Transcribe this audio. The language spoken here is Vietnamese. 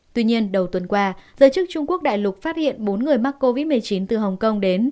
tuy nhiên đầu tuần qua giới chức trung quốc đại lục phát hiện bốn người mắc covid một mươi chín từ hồng kông đến